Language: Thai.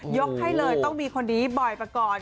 ยกให้เลยต้องมีคนนี้บอยปกรณ์